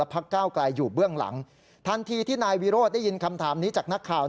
พักก้าวไกลอยู่เบื้องหลังทันทีที่นายวิโรธได้ยินคำถามนี้จากนักข่าว